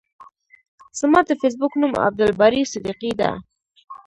زما د فیسبوک نوم عبدالباری صدیقی ده.